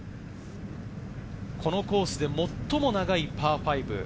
このコースで最も長いパー５。